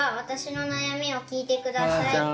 私の悩みを聞いて下さい。